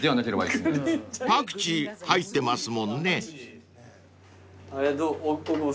［パクチー入ってますもんね］どう？